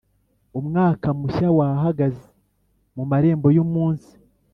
umwaka mushya wahagaze mu marembo yumunsi,